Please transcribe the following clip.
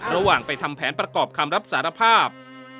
ระหว่างไปทำแผนประกอบคำรับสารภาพ